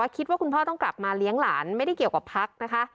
คิดว่าคุณพ่อต้องกลับมาเลี้ยงหลานไม่ได้เกี่ยวกับพักนะคะ